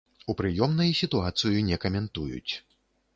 У прыёмнай сітуацыю не каментуюць.